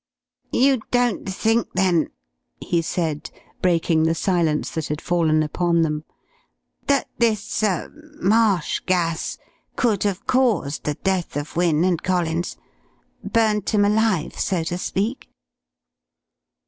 "You don't think, then," he said, breaking the silence that had fallen upon them, "that this er marsh gas could have caused the death of Wynne and Collins? Burnt 'em alive, so to speak?"